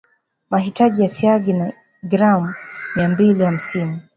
mahitaji ya siagi ni gram mia mbili hamsini